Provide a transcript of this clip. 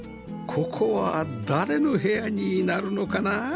ここは誰の部屋になるのかな？